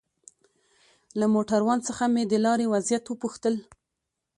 له موټروان څخه مې د لارې وضعيت وپوښتل.